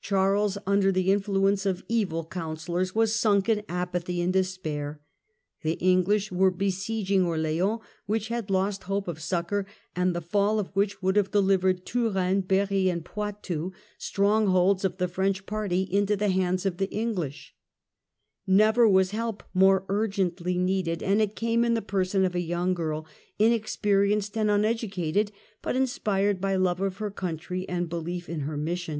Charles, under the influence of evil counsellors, was sunk in apathy and des pair ; the English were besieging Orleans which had lost hope of succour, and the fall of which would have de livered Touraine, Berry and Poitou, strongholds of the French party, into the hands of the Enghsh : never was help more urgently needed, and it came in the person of a young girl, inexperienced and uneducated, but inspired by love of her country and belief in her mission.